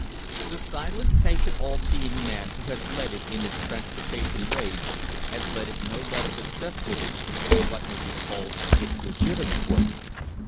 The silent, patient, all seeing man who has led it in its transportation raids has led it no less successfully in what may be called its legitimate work.